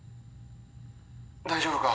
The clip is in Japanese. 大丈夫か？